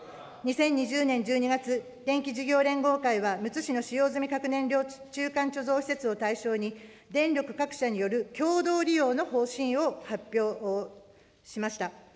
２０２０年１２月、電気事業連合会はむつ市の使用済み核燃料中間貯蔵施設を対象に、電力各社による共同利用の方針を発表しました。